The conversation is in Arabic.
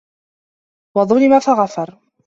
وَظُلِمَ فَغَفَرَ